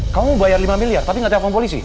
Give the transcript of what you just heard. kamu bayar lima miliar tapi gak telepon polisi